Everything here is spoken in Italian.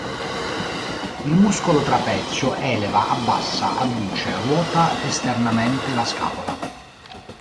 Il muscolo trapezio eleva, abbassa, adduce, ruota esternamente la scapola.